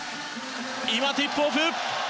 今、ティップオフ。